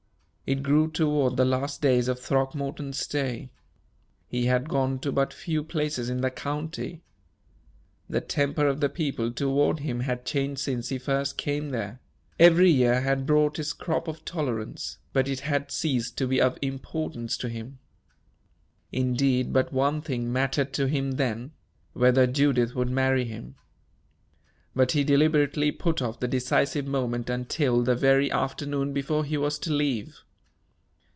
It grew toward the last days of Throckmorton's stay. He had gone to but few places in the county. The temper of the people toward him had changed since he first came there; every year had brought its crop of tolerance, but it had ceased to be of importance to him. Indeed, but one thing mattered to him then whether Judith would marry him. But he deliberately put off the decisive moment until the very afternoon before he was to leave.